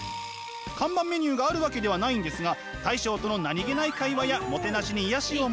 看板メニューがあるわけではないんですが大将との何気ない会話やもてなしに癒やしを求め